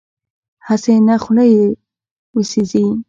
هسې نه خوله یې وسېزي.